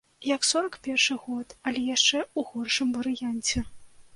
Як сорак першы год, але яшчэ ў горшым варыянце.